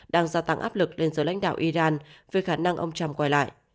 đang gia tăng áp lực lên giữa lãnh đạo iran về khả năng ông kham quay lại